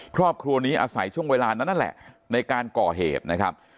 ครอบครัวนี้อาศัยช่วงเวลานั้นนั่นแหละในการก่อเหตุนะครับ